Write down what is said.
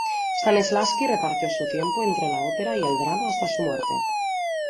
Stanislavski repartió su tiempo entre la ópera y el drama hasta su muerte.